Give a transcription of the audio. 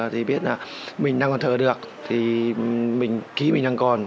thì biết là mình đang còn thở được thì mình khi mình đang còn